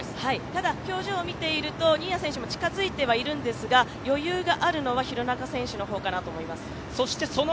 ただ、表情を見ていると新谷選手も近づいてきているんですが、余裕があるのは廣中選手なのかなと思います。